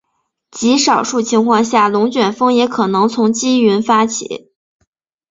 极少数情况下龙卷风也可能从积云发起。